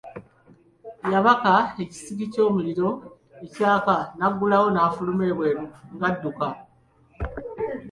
Yabaka ekisiki ky'omuliro ekyaka n'aggulawo n'afuluma ebweru ng'adduka.